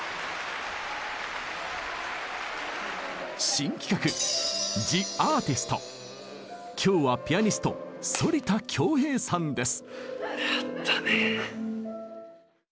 新企画今日はピアニスト反田恭平さんです。